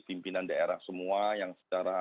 pimpinan daerah semua yang secara